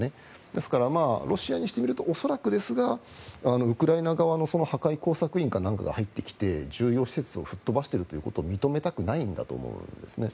ですから、ロシアにしてみると恐らくですがウクライナ側の破壊工作員とかが入ってきて重要施設を吹っ飛ばしているということを認めたくないんだと思いますね。